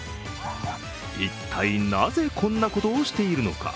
一体、なぜこんなことをしているのか。